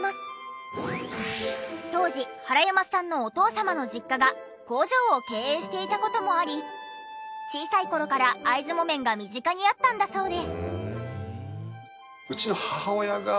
当時原山さんのお父様の実家が工場を経営していた事もあり小さい頃から会津木綿が身近にあったんだそうで。